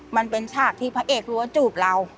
มันเป็นฉากที่พระเอกรู้ว่าจูบเรา